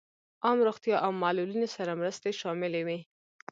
عام روغتیا او معلولینو سره مرستې شاملې وې.